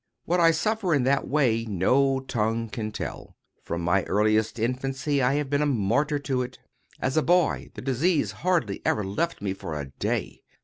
What I suffer in that way no tongue can tell. From my earliest infancy I have been a martyr to it. As a boy, the disease hardly ever left me for a day.